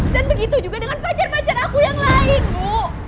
dan begitu juga dengan pacar pacar aku yang lain ibu